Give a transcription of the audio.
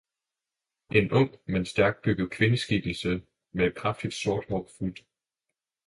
En ikke ung, men stærkbygget kvindeskikkelse, med et kraftigt, sort hår, fulgte.